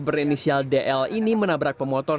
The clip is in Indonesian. berinisial dl ini menabrak pemotor